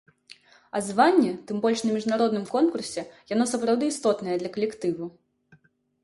А званне, тым больш на міжнароднымі конкурсе, яно сапраўды істотнае для калектыву.